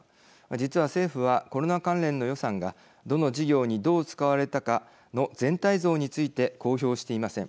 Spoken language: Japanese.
実は、政府はコロナ関連の予算がどの事業に、どう使われたかの全体像について公表していません。